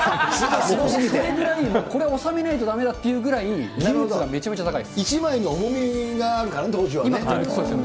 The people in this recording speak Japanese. それくらい、これを収めないとだめだっていうぐらい、技術がめちゃくちゃ高い一枚に重みがあるからね、そうですね。